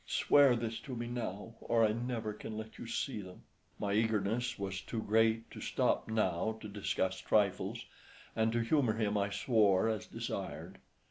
Swear this to me now, or I never can let you see them." My eagerness was too great to stop now to discuss trifles, and to humour him I swore as desired.